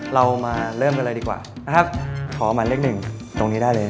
เรามาเริ่มกันเลยดีกว่านะครับขอหมายเลขหนึ่งตรงนี้ได้เลย